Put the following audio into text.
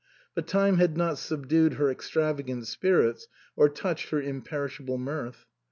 But time had not subdued her extravagant spirits or touched her imperishable mirth.